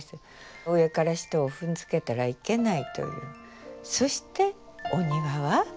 上から人を踏んづけたらいけないという。